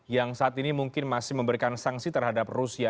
yang saat ini mungkin masih memberikan sanksi terhadap rusia